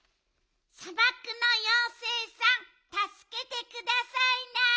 さばくのようせいさんたすけてくださいな。